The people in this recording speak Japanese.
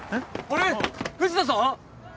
あれ藤田さん！？